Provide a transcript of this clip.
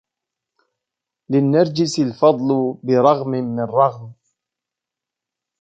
للنرجس الفضل برغم من رغم